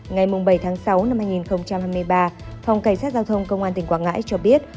ngày bảy tháng sáu năm hai nghìn hai mươi ba phòng cảnh sát giao thông công an tỉnh quảng ngãi cho biết